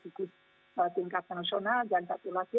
di tingkat nasional dan satu lagi